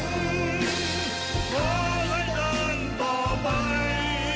ขอให้เดินต่อไป